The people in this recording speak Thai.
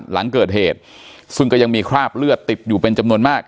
หลังเกิดเหตุซึ่งก็ยังมีคราบเลือดติดอยู่เป็นจำนวนมาก